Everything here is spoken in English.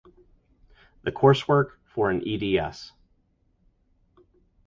The coursework for an Ed.S.